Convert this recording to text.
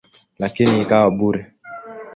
Lakini ikawa bure.